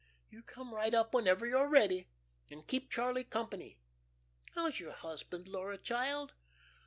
You come right up whenever you're ready and keep Charlie company. How's your husband, Laura child?"